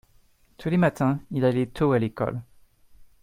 Tous les matins il allait tôt à l’école.